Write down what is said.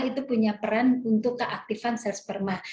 itu punya peran untuk keaktifan sel sperma